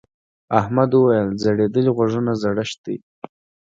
احمد وويل: ځړېدلي غوږونه زړښت دی.